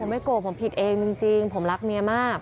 ไม่โกรธผมผิดเองจริงผมรักเมียมาก